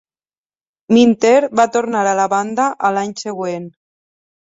Minter va tornar a la banda a l'any següent.